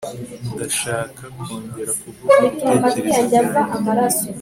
ndashaka kongera kuvuga ibitekerezo byanjye